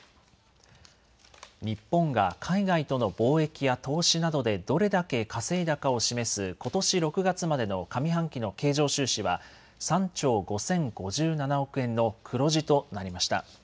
日本が海外との貿易や投資などでどれだけ稼いだかを示すことし６月までの上半期の経常収支は３兆５０５７億円の黒字となりました。